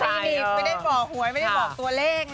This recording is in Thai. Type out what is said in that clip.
ไม่ได้บอกหวยไม่ได้บอกตัวเลขนะ